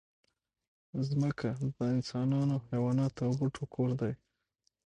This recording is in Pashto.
مځکه د انسانانو، حیواناتو او بوټو کور دی.